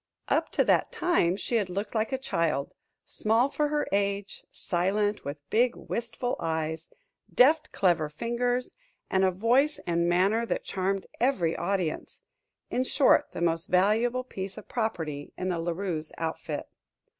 Up to that time she had looked like a child, small for her age, silent, with big, wistful eyes, deft, clever fingers, and a voice and manner that charmed every audience in short, the most valuable piece of property in La Rue's outfit.